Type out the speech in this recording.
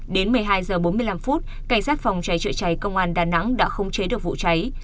đến một mươi hai h bốn mươi năm cảnh sát phòng cháy chữa cháy công an đà nẵng đã không chế được vụ cháy